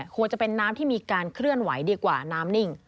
ควรจะเป็นน้ำที่มีการเคลื่อนไหวดีกว่าน้ำนิ่ง